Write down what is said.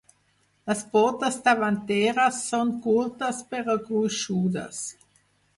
Les potes davanteres són curtes però gruixudes.